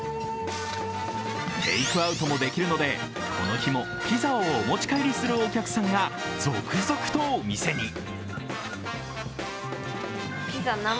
テークアウトもできるのでこの日もピザをお持ち帰りするお客さんが続々とお店に。